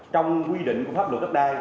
trong quy định của pháp luật đất đai